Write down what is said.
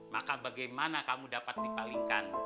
maka bagaimana kamu dapat dipalingkan